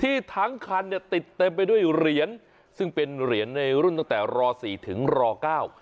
ทั้งคันเนี่ยติดเต็มไปด้วยเหรียญซึ่งเป็นเหรียญในรุ่นตั้งแต่รอสี่ถึงรอเก้า